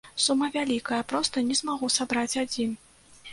Сума вялікая, проста не змагу сабраць адзін!